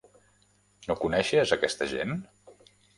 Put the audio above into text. No coneixes aquesta gent?